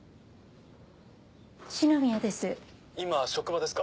四宮です。